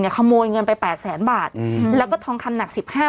เนี้ยขโมยเงินไปแปดแสนบาทอืมแล้วก็ทองคำหนักสิบห้า